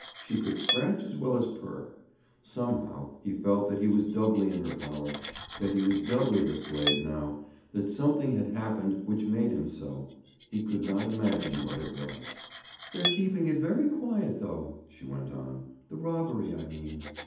She could scratch as well as purr. Somehow, he felt that he was doubly in her power—that he was doubly her slave now—that something had happened which made him so. He could not imagine what it was. "They're keeping it very quiet, though," she went on. "The robbery, I mean!"